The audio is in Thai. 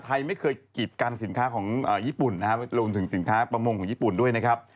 ไทยไม่เคยกิดกันสินค้าของญี่ปุ่นรวมถึงสินค้าปลามงค์ยิปุ่นด้วยนะครับ